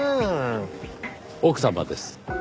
奥様です。